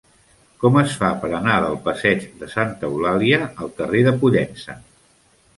Com es fa per anar del passeig de Santa Eulàlia al carrer de Pollença?